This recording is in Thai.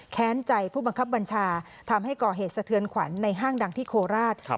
ใจผู้บังคับบัญชาทำให้ก่อเหตุสะเทือนขวัญในห้างดังที่โคราช